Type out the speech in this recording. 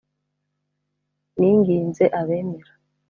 Ninginze abemera